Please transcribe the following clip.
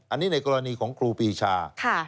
อันนี้ในกรณีของครูปีชาเชื่อว่าเป็นอย่างนั้น